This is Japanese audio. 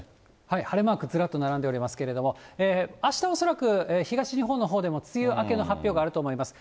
晴れマークずらっと並んでおりますけれども、あした恐らく、東日本のほうでも梅雨明けの発表があると思います。